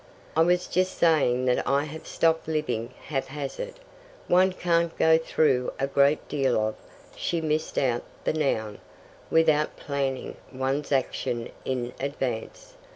"I was just saying that I have stopped living haphazard. One can't go through a great deal of" she missed out the noun "without planning one's actions in advance.